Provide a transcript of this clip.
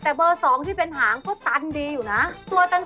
แต่เบอร์๒ที่เป็นหางก็ตันดีอยู่นะตัวตัน